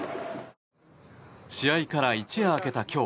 試合から一夜明けた今日